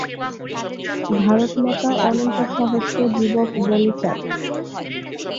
ভারতমাতা অন্তত সহস্র যুবক বলি চান।